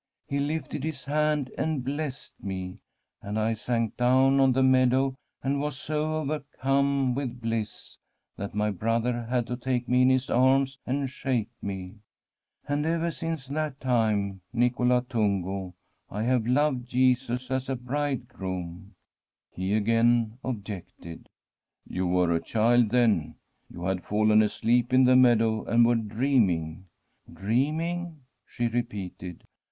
He lifted His hand and blessed me, and I sank down on the meadow, and was so overcome with bliss, that my brother had to take me in his arms and shake me. And ever Frm a SWEDISH HOMESTEAD since that time, Nicola Tungo, I have loved Jesus as a bridegroom/ He again objected. ' You were a child then. You had fallen asleep in the meadow and were dreaming.' ' Dreaming ?' she repeated.